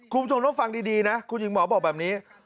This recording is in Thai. คุณผู้ชมต้องฟังดีนะคุณหญิงหมอบอกแบบนี้